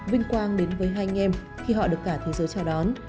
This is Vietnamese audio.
vinh quang đến với hai anh em khi họ được cả thế giới chào đón